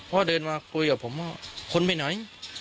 เดินมาคุยกับผมว่าคนไปไหน